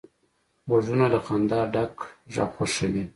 غوږونه له خندا ډک غږ خوښوي